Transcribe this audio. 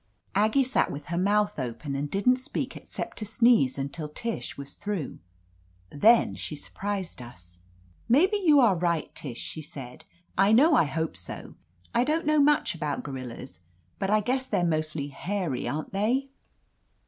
Aggie sat with her mouth open, and didn't speak except to sneeze until Tish was through. Then she surprised us. 117 THE AMAZING ADVENTURES "Maybe you are right, Tish/* she said. "I know I hope so. I don't know much about gorillas, but I guess they're mostly hairy, aren't they?"